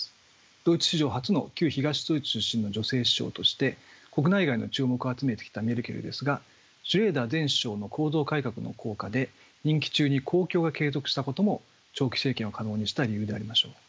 ドイツ史上初の旧東ドイツ出身の女性首相として国内外の注目を集めてきたメルケルですがシュレーダー前首相の構造改革の効果で任期中に好況が継続したことも長期政権を可能にした理由でありましょう。